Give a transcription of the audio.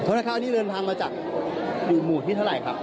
อันนี้เรือนทางมาจากหมู่ที่เท่าไหร่ครับ